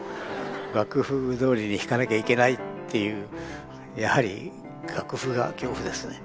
楽譜どおりに弾かなきゃいけないっていうやはり楽譜が恐怖ですね。